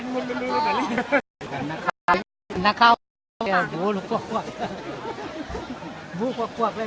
พี่ฟังเนี่ยบอร์ตละที่เปลือออกหน่อยมันไม่